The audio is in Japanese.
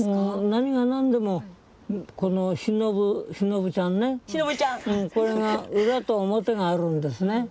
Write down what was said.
何がなんでも、このシノブ、シノブちゃんね、これが裏と表があるんですね。